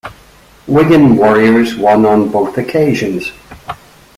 Wigan Warriors won on both occasions.